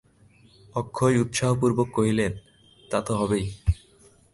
অক্ষয় উৎসাহপূর্বক কহিলেন, তা তো হবেই।